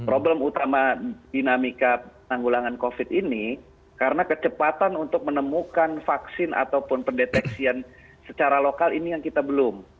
problem utama dinamika tanggulangan covid ini karena kecepatan untuk menemukan vaksin ataupun pendeteksian secara lokal ini yang kita belum